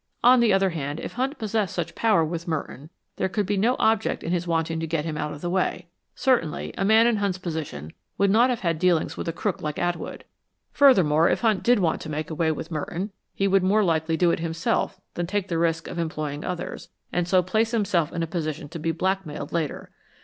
On the other hand, if Hunt possessed such power with Merton there could be no object in his wanting to get him out of the way. Certainly, a man in Hunt's position would not have had dealings with a crook like Atwood. Furthermore, if Hunt did want to make away with Merton, he would more likely do it himself than take the risk of employing others, and so place himself in a position to be blackmailed later.